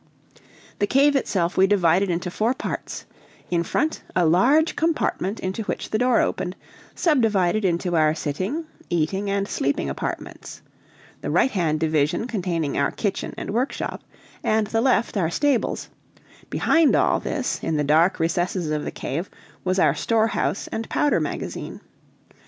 The cave itself we divided into four parts: in front, a large compartment into which the door opened, subdivided into our sitting, eating, and sleeping apartments; the right hand division containing our kitchen and workshop, and the left our stables; behind all this, in the dark recesses of the cave, was our storehouse and powder magazine.